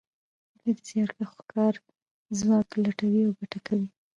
دوی د زیارکښو کاري ځواک لوټوي او ګټه کوي